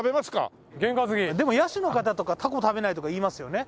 でも野手の方とかタコ食べないとか言いますよね。